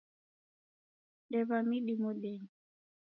Dewa midi modenyi